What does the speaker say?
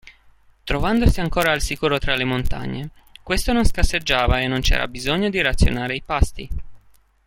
Trovandosi ancora al sicuro tra le montagne, questo non scarseggiava e non c'era bisogno di razionare i pasti.